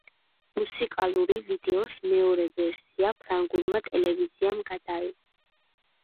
მუსიკალური ვიდეოს მეორე ვერსია ფრანგულმა ტელევიზიამ გადაიღო.